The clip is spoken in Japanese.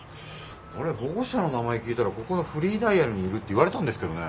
あれ保護者の名前聞いたらここのフリーダイヤルにいるって言われたんですけどね。